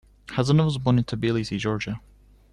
Hasanov was born in Tbilisi, Georgia.